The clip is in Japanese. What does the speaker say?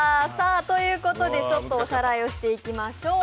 ということで、おさらいをしていきましょう。